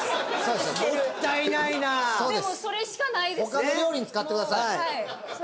他の料理に使ってください。